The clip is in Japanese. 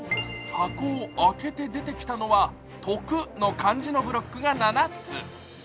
箱を開けて出てきたのは「徳」の漢字のブロックが７つ。